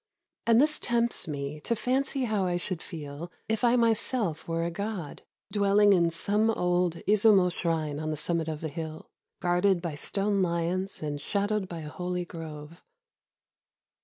And this tempts me to fancy how I should feel if I myself were a god, — dwelling in some old Izumo shrine on the summit of a hill, guarded by stone lions and shadowed by a holy grove.